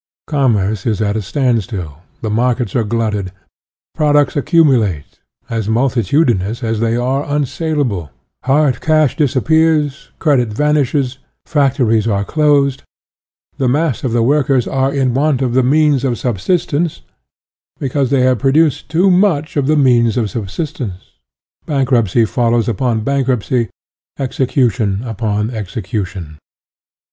Commerce is at a stand still, the markets are glutted, products ac cumulate, as multitudinous as they are un saleable, hard cash disappears, credit van ishes, factories are closed, the mass of the workers are in want of the means of sub sistence, because they have produced too Il6 SOCIALISM much of the means of subsistence; bank ruptcy follows upon bankruptcy, execution upon execution.